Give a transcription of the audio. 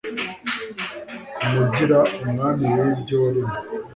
umugira umwami w'ibyo waremye